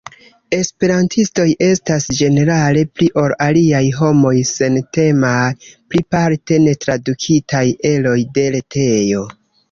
Esperantistoj estas ĝenerale pli ol aliaj homoj sentemaj pri parte netradukitaj eroj de retejo.